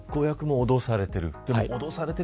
実行役も脅されている。